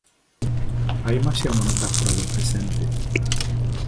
A imaxe é unha metáfora do presente.